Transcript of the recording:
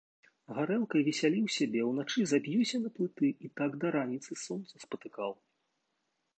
Гарэлкай весяліў сябе, а ўначы заб'юся на плыты і так да раніцы сонца спатыкаў.